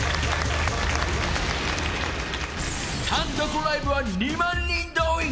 ［単独ライブは２万人動員］